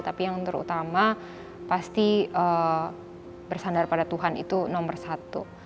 tapi yang terutama pasti bersandar pada tuhan itu nomor satu